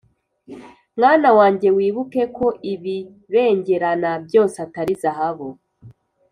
Mwana wanjye wibuke ko ibibengerana byose Atari zahabu